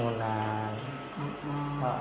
karena andre loket di tempatnya